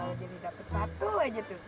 nah kalau jadi dapet satu aja tuh